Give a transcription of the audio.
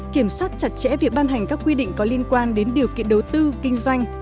kiểm soát chặt chẽ việc ban hành các quy định có liên quan đến điều kiện đầu tư kinh doanh